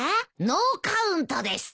ノーカウントです。